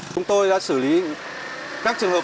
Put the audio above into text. chúng tôi đã xử lý các trường hợp